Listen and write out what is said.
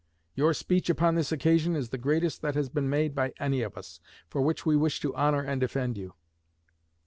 Your speech upon this occasion is the greatest that has been made by any of us, for which we wish to honor and defend you.'